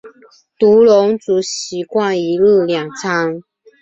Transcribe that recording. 独龙族习惯一日两餐。